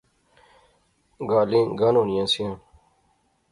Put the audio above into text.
گالیں گانونیاں سیاں